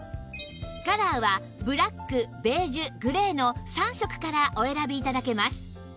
カラーはブラックベージュグレーの３色からお選び頂けます